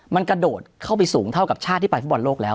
มันกระโดดเข้าไปสูงเท่ากับชาติที่ไปฟุตบอลโลกแล้ว